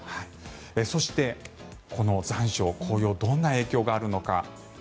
そして、この残暑紅葉にどんな影響があるのか。